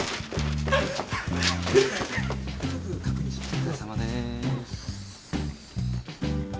お疲れさまです。